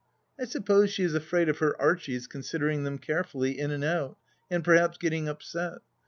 I suppose she is afraid of her Archie's considering them carefully, in and out, and perhaps getting upset.